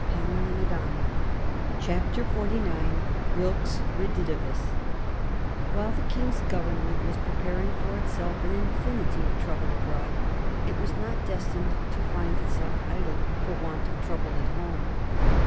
[Sidenote: 1767 The return of Wilkes] While the King's Government was preparing for itself an infinity of trouble abroad, it was not destined to find itself idle for want of trouble at home.